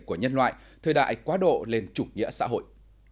của nhân loại thời đại quá độ lên chủ nghĩa xã hội